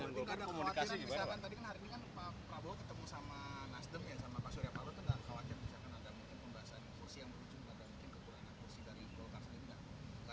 mungkin ada kekhawatiran tadi kan hari ini pak prabowo ketemu dengan nasdem dan pak surya parut